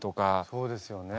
そうですよね。